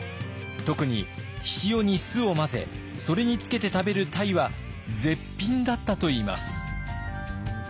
特に醤に酢を混ぜそれにつけて食べるタイは絶品だったといいます。